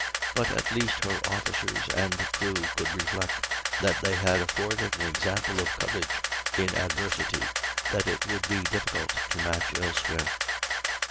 But at least her officers and crew could reflect that they had afforded an example of courage in adversity that it would be difficult to match elsewhere.